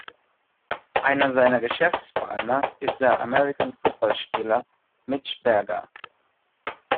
Einer seiner Geschäftspartner ist der American-Football-Spieler Mitch Berger.